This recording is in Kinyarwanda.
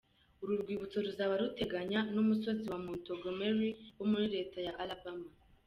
Uru rwibutso ruzaba ruteganye n’umusozi wa Montgomery wo muri Leta ya Alabama.